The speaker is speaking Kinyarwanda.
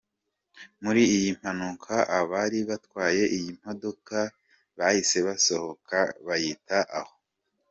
Muri iyi mpanuka abari batwaye iyi modoka bahise basohoka bayita aho.